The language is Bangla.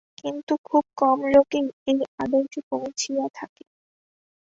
কিন্তু খুব কম লোকেই এই আদর্শে পৌঁছিয়া থাকে।